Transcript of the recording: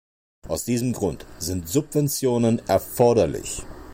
Aus diesem Grund sind Subventionen erforderlich.